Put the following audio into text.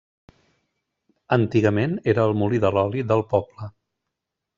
Antigament era el molí de l'oli del poble.